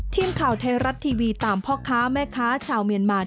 ทีมข่าวไทยรัฐทีวีตามพ่อค้าแม่ค้าชาวเมียนมา